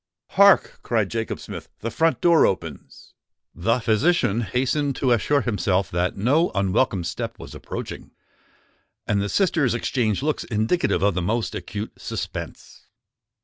"Hark!" cried Jacob Smith: "the front door opens!" The physician hastened to assure himself that no unwelcome step was approaching; and the sisters exchanged looks indicative of the most acute suspense.